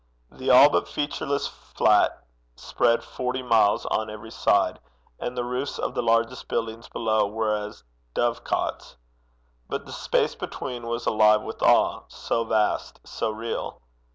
The all but featureless flat spread forty miles on every side, and the roofs of the largest buildings below were as dovecots. But the space between was alive with awe so vast, so real!